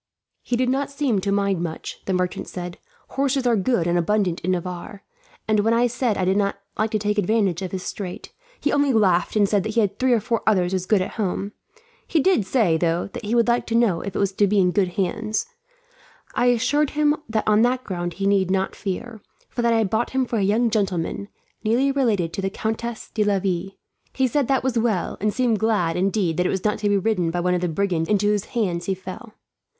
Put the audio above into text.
"He did not seem to mind much," the merchant said. "Horses are good and abundant in Navarre, and when I said I did not like to take advantage of his strait, he only laughed and said he had three or four others as good at home. He did say, though, that he would like to know if it was to be in good hands. I assured him that on that ground he need not fear; for that I had bought it for a young gentleman, nearly related to the Countess de Laville. He said that was well, and seemed glad, indeed, that it was not to be ridden by one of the brigands into whose hands he fell."